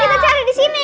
makanya kita cari disini